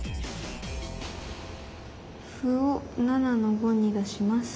歩を７の五に出します。